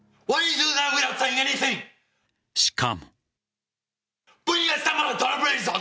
しかも。